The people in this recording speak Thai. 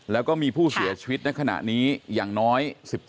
แล้วก็มีผู้เสียชีวิตในขณะนี้อย่างน้อย๑๗